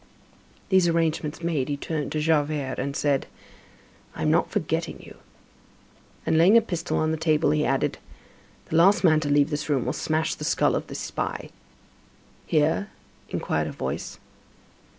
These arrangements made, he turned to Javert and said: "I am not forgetting you." And, laying a pistol on the table, he added: "The last man to leave this room will smash the skull of this spy." "Here?" inquired a voice.